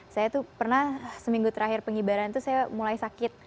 saya tuh pernah seminggu terakhir pengibaran itu saya mulai sakit